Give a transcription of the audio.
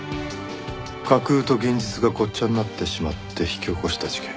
架空と現実がごっちゃになってしまって引き起こした事件。